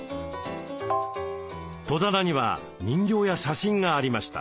戸棚には人形や写真がありました。